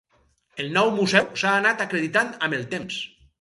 El nou museu s'ha anat acreditant amb el temps.